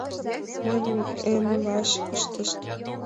Мыйым эмлаш пыштышт.